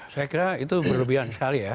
saya kira itu berlebihan sekali ya